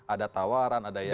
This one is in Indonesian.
ada tawaran ada yang